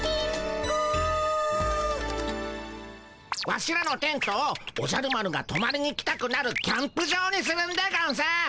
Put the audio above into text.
ワシらのテントをおじゃる丸がとまりに来たくなるキャンプ場にするんでゴンス。